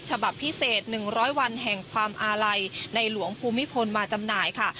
ฉบับพิเศษ๑๐๐วันแห่งความอาลัยในหลวงภูมิพลมาจำหน่ายค่ะ